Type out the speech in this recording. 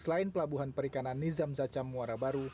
selain pelabuhan perikanan nizam zacam muara baru